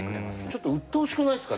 ちょっとうっとうしくないですか？